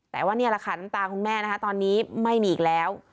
แต่ว่านี่แหละค่ะน้ำตาคุณแม่นะคะตอนนี้ไม่มีอีกแล้ว